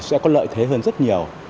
sẽ có lợi thế hơn rất nhiều